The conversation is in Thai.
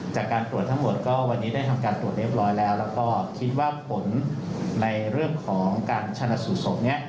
จากการตรวจทั้งหมดก็วันนี้ได้ทำการตรวจเรียบร้อยแล้วแล้วก็คิดว่าผลในเรื่องของการชนะสูตรศพนี้